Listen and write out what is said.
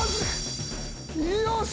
よし！